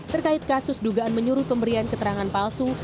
terkait kasus dugaan menyuruh pemberian keterangan palsu